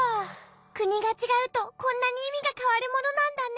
くにがちがうとこんなにいみがかわるものなんだね。